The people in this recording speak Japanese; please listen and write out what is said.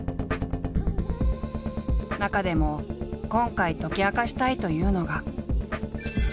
中でも今回解き明かしたいというのが。